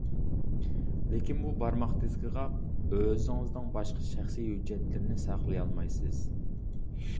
لېكىن بۇ بارماق دىسكىغا ئۆزىڭىزنىڭ باشقا شەخسىي ھۆججەتلىرىنى ساقلىيالمايسىز.